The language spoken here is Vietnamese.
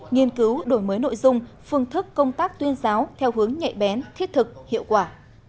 nghiên cứu đổi mới nội dung phương thức công tác tuyên giáo theo hướng nhạy bén thiết thực hiệu quả